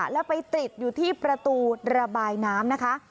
แล้วไปติดอยู่ที่ประตูระบายน้ำนะคะ